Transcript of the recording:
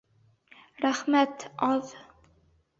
Рәхмәт аҙ.